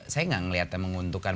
saya tidak melihatnya menguntungkan